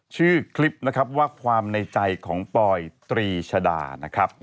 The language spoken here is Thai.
ชื่อคลิปนะครับว่าความในใจของปอยตรีชดานะครับ